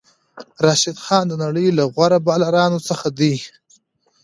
راشد خان د نړۍ له غوره بالرانو څخه دئ.